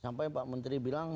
sampai pak menteri bilang